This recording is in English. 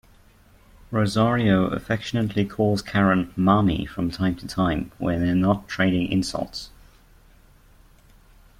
Rosario affectionately calls Karen "mami" from time to time, when they're not trading insults.